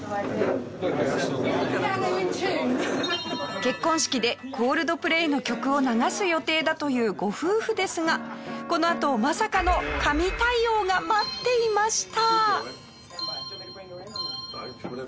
結婚式でＣｏｌｄｐｌａｙの曲を流す予定だというご夫婦ですがこのあとまさかの神対応が待っていました。